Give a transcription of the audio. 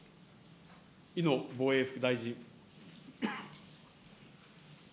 井野防衛副大臣。